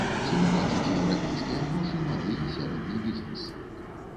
Ці ўбачыць еўрапейскія грошы малы і сярэдні бізнэс?